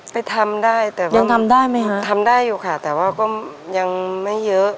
ไปทำได้แต่ยังทำได้ไหมคะทำได้อยู่ค่ะแต่ว่าก็ยังไม่เยอะ